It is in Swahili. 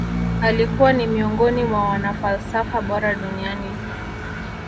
Alikuwa ni miongoni mwa wanafalsafa bora duniani